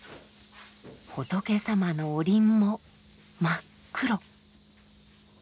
仏様のおりんも真っ黒。